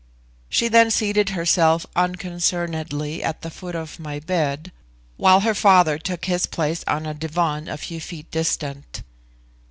She then seated herself unconcernedly at the foot of my bed, while her father took his place on a divan a few feet distant.